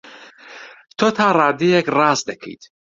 تۆ تا ڕادەیەک ڕاست دەکەیت.